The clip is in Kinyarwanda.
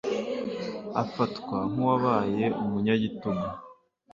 afatwa nk’ uwabaye umunyagitugu